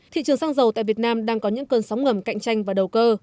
thị trường xăng dầu tại việt nam đang có những cơn sóng ngầm cạnh tranh và đầu cơ